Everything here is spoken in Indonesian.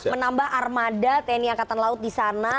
menambah armada tni angkatan laut di sana